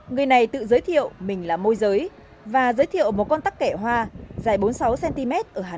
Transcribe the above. người này tự giới thiệu mình là môi giới và giới thiệu một con tắc kè hoa dài bốn mươi sáu cm